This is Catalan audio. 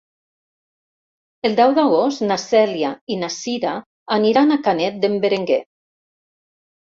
El deu d'agost na Cèlia i na Cira aniran a Canet d'en Berenguer.